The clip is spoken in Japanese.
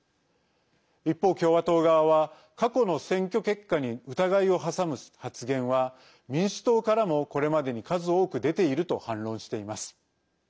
一方、共和党側は過去の選挙結果に疑いを挟む発言は民主党からもこれまでに数多く出ていると反論しています。